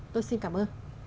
tôi xin cảm ơn